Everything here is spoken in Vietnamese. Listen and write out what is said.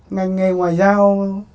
ngành nghề ngoại giao